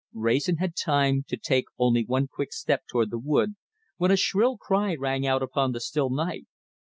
Wrayson had time to take only one quick step towards the wood, when a shrill cry rang out upon the still night.